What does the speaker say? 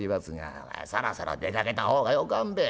「ああそろそろ出かけた方がよかんべ？